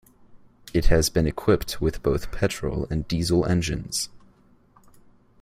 It has been equipped with both petrol and diesel engines.